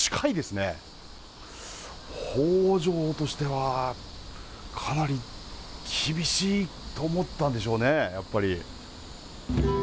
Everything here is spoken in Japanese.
北条としてはかなり厳しいと思ったんでしょうね、やっぱり。